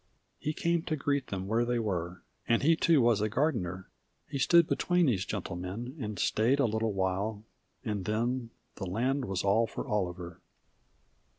He came to greet them where they were. And he too was a Gardener: He stood between these gentle men, He stayed a little while, and then The land was all for Oliver.